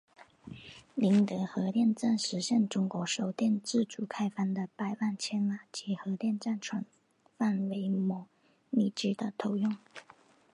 宁德核电站实现中国首台自主开发的百万千瓦级核电站全范围模拟机的投用。